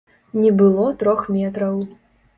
Не было трох метраў.